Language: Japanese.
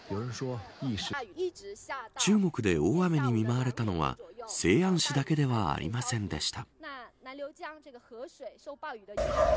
中国で大雨に見舞われたのは西安市だけではありませんでした。